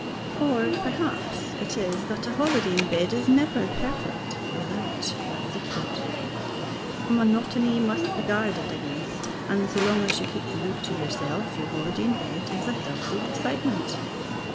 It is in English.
Or, perhaps, it is that a holiday in bed is never perfect without a secret. Monotony must be guarded against, and so long as you keep the book to yourself your holiday in bed is a healthy excitement.